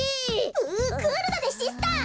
うクールだぜシスター！